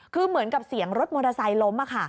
คือเหมือนกับเสียงรถมอเตอร์ไซค์ล้ม